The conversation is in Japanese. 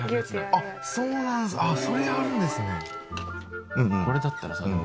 あっそうなんそれあるんですね。